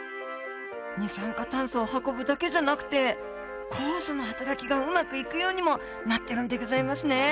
二酸化炭素を運ぶだけじゃなくて酵素のはたらきがうまくいくようにもなっているんでギョざいますね。